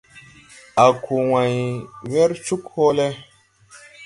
A ko wãy wer cug hoole.